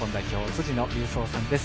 辻野隆三さんです。